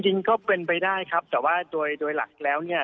จริงก็เป็นไปได้ครับแต่ว่าโดยหลักแล้วเนี่ย